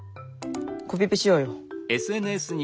コピペしようよ。